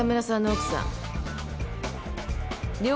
奥さん！？